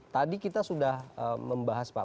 tadi kita sudah membahas pak